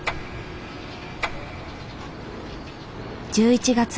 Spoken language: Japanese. １１月。